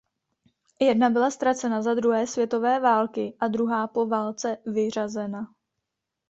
Jedna byla ztracena za druhé světové války a druhá po válce vyřazena.